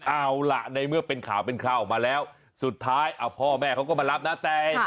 เอาล่ะในเมื่อเป็นข่าวเป็นข่าวออกมาแล้วสุดท้ายพ่อแม่เขาก็มารับนะแต่